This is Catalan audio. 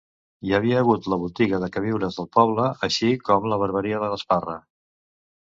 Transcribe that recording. Hi havia hagut la botiga de queviures del poble així com la barbaria de l’Esparra.